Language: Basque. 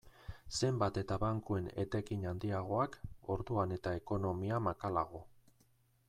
Zenbat eta bankuen etekin handiagoak, orduan eta ekonomia makalago.